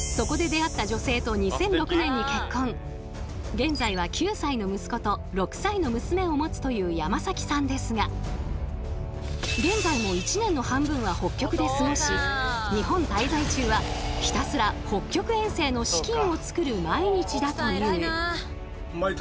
現在は９歳の息子と６歳の娘を持つという山崎さんですが現在も一年の半分は北極で過ごし日本滞在中はひたすら北極遠征の資金をつくる毎日だという。